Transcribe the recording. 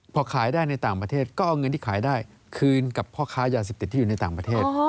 พอขายได้ในต่างประเทศก็เอาเงินที่ขายได้คืนกับพ่อค้ายาเสพติดที่อยู่ในต่างประเทศ